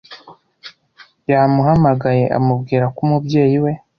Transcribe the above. yamuhamagaye amubwira ko umubyeyi we